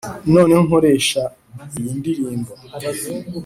noneho nkoresha iyo ndirimbo